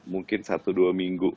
mungkin satu dua minggu